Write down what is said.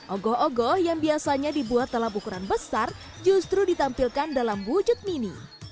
ogoh ogoh yang biasanya dibuat dalam ukuran besar justru ditampilkan dalam wujud mini